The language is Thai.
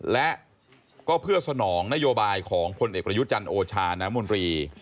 และก็เพื่อสนองนโยบายของพลเอกประยุจันทร์โอชาน้ำมนตรี